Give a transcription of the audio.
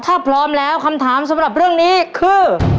ถ้าพร้อมแล้วคำถามสำหรับเรื่องนี้คือ